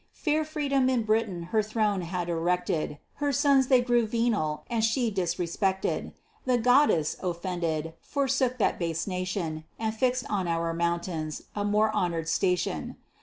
Fair Freedom in Britain her throne had erected; Her sons they grew venal, and she disrespected. The goddess, offended, forsook that base nation, And fix'd on our mountains: a more honor'd station.